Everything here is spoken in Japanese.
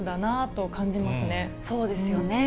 アそうですよね。